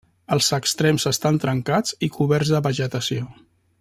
Els extrems estan trencats i coberts de vegetació.